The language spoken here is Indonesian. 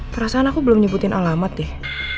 perasaan aku belum nyebutin alamat deh